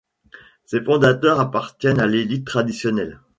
Ses fondateurs appartiennent à l’élite traditionnelle.